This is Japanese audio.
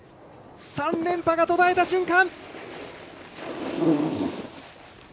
３連覇が途絶えた瞬間。